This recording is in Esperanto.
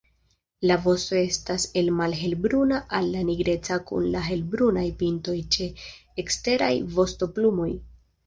La vosto estas el malhelbruna al nigreca kun helbrunaj pintoj ĉe eksteraj vostoplumoj.